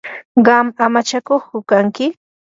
¿qam amachakuqku kanki?